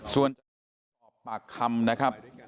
ส่วนปากคำนะครับ